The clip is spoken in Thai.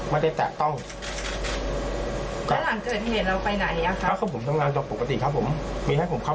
มีให้ผมเข้ามามอบผมเข้ามามอบครับ